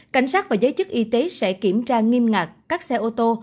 cảnh sát và giới chức y tế sẽ kiểm tra nghiêm ngặt các xe ô tô